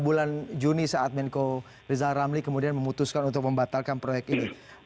bulan juni saat menko rizal ramli kemudian memutuskan untuk membatalkan proyek ini